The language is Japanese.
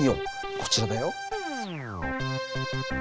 こちらだよ。